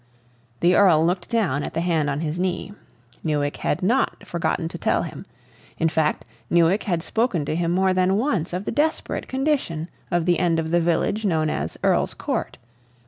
The Earl looked down at the hand on his knee. Newick had not forgotten to tell him; in fact, Newick had spoken to him more than once of the desperate condition of the end of the village known as Earl's Court.